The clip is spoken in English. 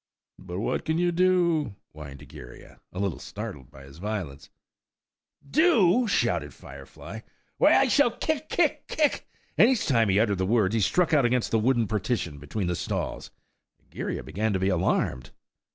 "But what can you do?" whined Egeria, a little startled by his violence. "Do?" shouted Firefly; "why, I shall kick, kick, kick!" And each time he uttered the words he struck out against the wooden partition between the stalls. Egeria began to be alarmed.